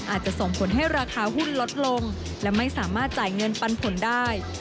อาจจะส่งผลให้ราคาหุ้นลดลงและไม่สามารถจ่ายเงินปันผลได้